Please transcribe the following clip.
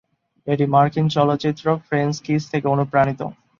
এটি মার্কিন চলচ্চিত্র "ফ্রেঞ্চ কিস" থেকে অনুপ্রাণিত।